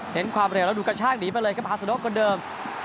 เห็นความเร็วแล้วดูกระชากหนีไปเลยครับฮาซาโดคนเดิม